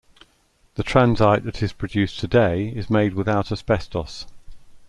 The transite that is produced today is made without asbestos.